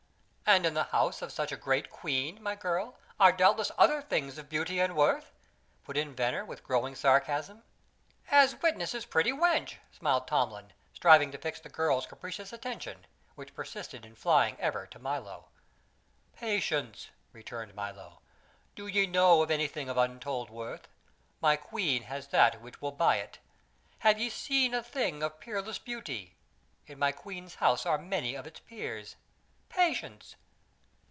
"And in the house of such a great queen, my girl, are doubtless other things of beauty and worth?" put in Venner with growing sarcasm. "As witness this pretty wench!" smiled Tomlin, striving to fix the girl's capricious attention, which persisted in flying ever to Milo. "Patience," returned Milo. "Do ye know of anything of untold worth my queen has that which will buy it? Have ye seen a thing of peerless beauty in my queen's house are many of its peers! Patience!"